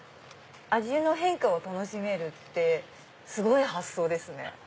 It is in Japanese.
味の変化を楽しめるってすごい発想ですね。